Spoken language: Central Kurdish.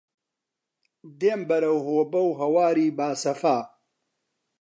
دێم بەرەو هۆبە و هەواری باسەفا